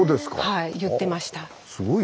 はい言ってました。